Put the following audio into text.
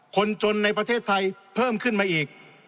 คนจนในประเทศไทยเพิ่มขึ้นมาอีก